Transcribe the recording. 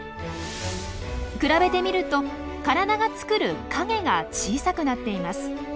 比べてみると体が作る影が小さくなっています。